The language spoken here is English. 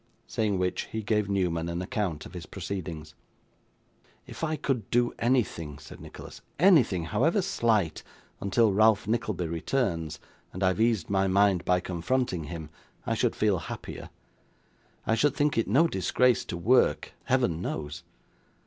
Saying which, he gave Newman an account of his proceedings. 'If I could do anything,' said Nicholas, 'anything, however slight, until Ralph Nickleby returns, and I have eased my mind by confronting him, I should feel happier. I should think it no disgrace to work, Heaven knows.